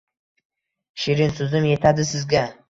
Shirinsuzim etadi sizga